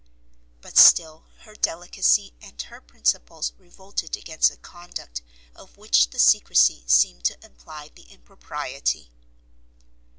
But still her delicacy and her principles revolted against a conduct of which the secrecy seemed to imply the impropriety.